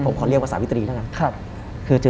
ผมขอเรียกว่าสาวิตรีแล้วกัน